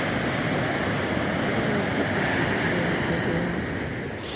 mi nochiko polis mondo ogonye.